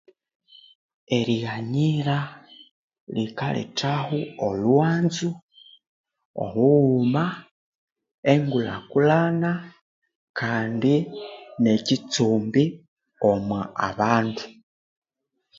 Erighanyira likalethahu olhwanzu, obughuma, enkulhakulhana Kandi nekitsumbi omwabandu